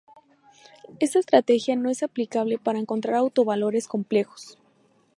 Esta estrategia no es aplicable para encontrar autovalores complejos.